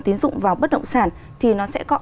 tiến dụng vào bất động sản thì nó sẽ có